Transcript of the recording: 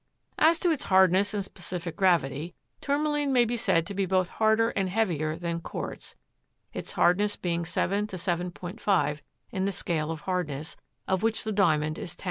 As to its hardness and specific gravity, Tourmaline may be said to be both harder and heavier than quartz, its hardness being 7 7.5 in the scale of hardness of which the diamond is 10.